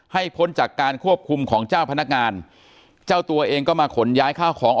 พ้นจากการควบคุมของเจ้าพนักงานเจ้าตัวเองก็มาขนย้ายข้าวของ